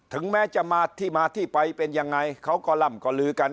ถึงแม้จะมาที่มาที่ไปเป็นยังไงเขาก็ล่ำก็ลือกัน